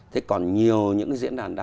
thế còn nhiều những diễn đàn đam